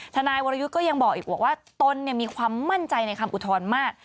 ทนายวรยุทธ์ก็ยังบอกอีกบอกว่าตนมีความมั่นใจในคำอุทธรณ์มาก